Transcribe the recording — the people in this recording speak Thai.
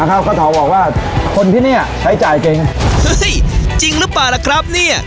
ครับก็ทำบอกคนที่เนี่ยใช้จ่ายเคยไงเฮ้ยจริงรึป่าวแหละครับเนี่ย